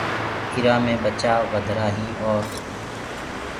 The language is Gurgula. ايٚرآ مي ٻچآ وڌهيرآ هين اور